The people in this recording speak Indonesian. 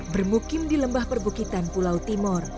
bermukim di lembah perbukitan pulau timur